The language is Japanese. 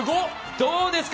どうですか？